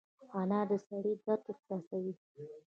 انا د سړي درد احساسوي